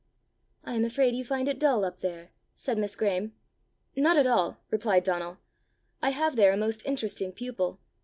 "I am afraid you find it dull up there!" said Miss Graeme. "Not at all," replied Donal; "I have there a most interesting pupil.